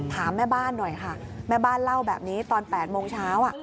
ถามแม่บ้านหน่อยค่ะแม่บ้านเล่าแบบนี้ตอน๘โมงเช้า